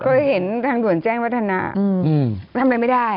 เคยเห็นทางด่วนแจ้งวัฒนาทำอะไรไม่ได้